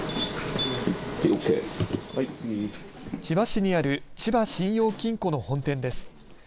千葉市にある千葉信用金庫の本店です。